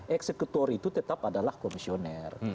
eksekutor itu tetap adalah komisioner